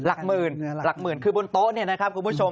หลักหมื่นหลักหมื่นคือบนโต๊ะเนี่ยนะครับคุณผู้ชม